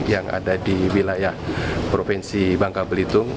yang ada di wilayah provinsi bangka belitung